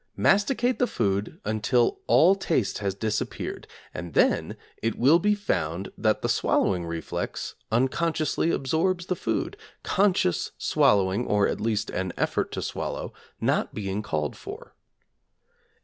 Masticate the food until all taste has disappeared, and then it will be found that the swallowing reflex unconsciously absorbs the food, conscious swallowing, or at least, an effort to swallow, not being called for.